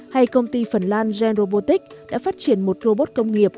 hay công ty phần lan genrobotic đã phát triển một robot công nghiệp